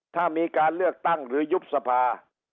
ถ้ามีการเลือกตั้งหรือยุบสภา